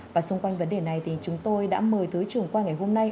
và xung quanh vấn đề này thì chúng tôi đã mời tới trưởng quan ngày hôm nay